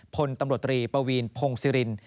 พลตำรปรีปวีนพงษ์ซีริน